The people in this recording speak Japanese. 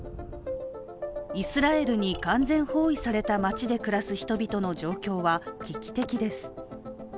イスラエルに完全包囲された街で暮らす人々の状況は危機的です。